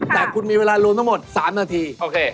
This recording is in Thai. แต่คุณมีเวลารวมทั้งหมด๓นาทีโอเค